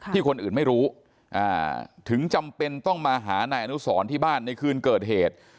ที่คนอื่นไม่รู้ถึงจำเป็นต้องมาหานายอนุสรที่บ้านในคืนเกิดเหตุ